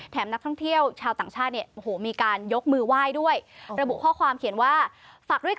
แถมนักท่องเที่ยวชาวต่างชาติโหมีการยกมือไหว้ด้วย